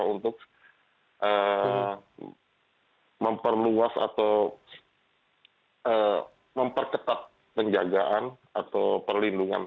untuk memperluas atau memperketat penjagaan atau perlindungan